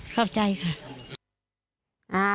เข้าใจค่ะ